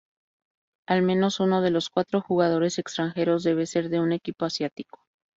Al menos uno de los cuatro jugadores extranjeros debe ser de un equipo asiático.